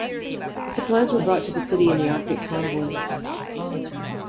The supplies were brought to the city in the Arctic convoys.